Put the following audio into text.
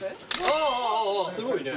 ああああすごいね。